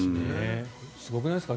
すごくないですか？